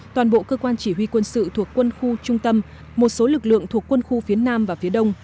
toàn bộ cơ quan chỉ huy quân sự thuộc quân khu trung tâm một số lực lượng thuộc quân khu phía nam và phía đông